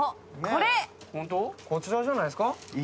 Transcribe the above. こちらじゃないですか。